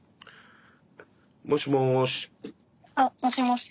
もしもし。